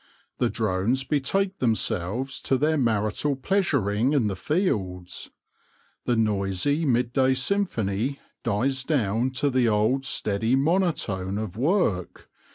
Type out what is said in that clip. The drones betake themselves to their marital pleasuring in the fields. The noisy midday symphony dies down to the old steady monotone of work.